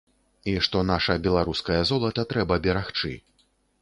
І што наша беларускае золата трэба берагчы.